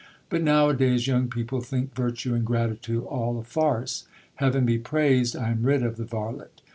But now a days, young people think virtue and gratitude all a farce. Heaven be praised, I am rid of the varlet.